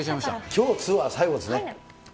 きょう、ツアー最後ですね。